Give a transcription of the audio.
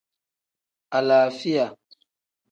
Alaafiya.